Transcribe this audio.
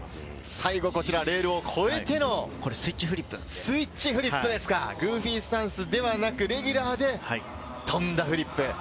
最後、レールを越えてのスイッチフリップですか、グーフィースタンスではなく、レギュラーで飛んだフリップ。